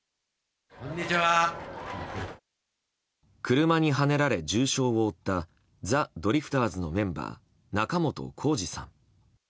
車にはねられ重傷を負ったザ・ドリフターズのメンバー仲本工事さん。